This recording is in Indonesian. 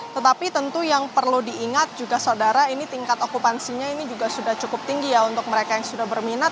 tetapi tentu yang perlu diingat juga saudara ini tingkat okupansinya ini juga sudah cukup tinggi ya untuk mereka yang sudah berminat